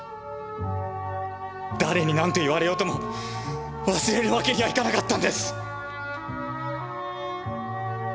誰に何と言われようとも忘れるわけにはいかなかったんです！